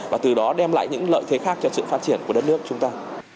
và từ đó đem lại những lợi thế khác cho sự phát triển của đất nước chúng ta